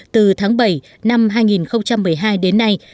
từ tháng bảy năm hai nghìn một mươi hai đến nay